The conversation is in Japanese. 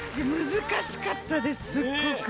難しかったですすごく。